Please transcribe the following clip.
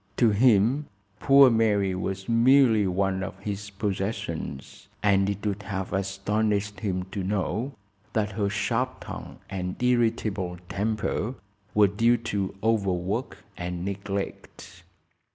To him poor Mary was merely one of his possessions, and it would have astonished him to know that her sharp tongue and irritable temper were due to overwork and neglect.